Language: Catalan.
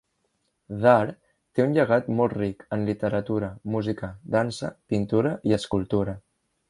Dhar té un llegat molt ric en literatura, música, dansa, pintura i escultura.